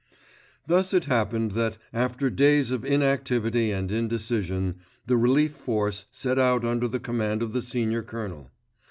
Thus it happened that, after days of inactivity and indecision, the Relief Force set out under the command of the Senior Colonel.